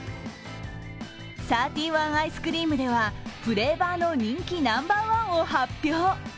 サーティワンアイスクリームではフレーバーの人気ナンバーワンを発表。